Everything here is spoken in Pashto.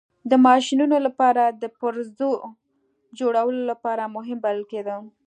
د ماشینونو لپاره د پرزو جوړولو لپاره مهم بلل کېده.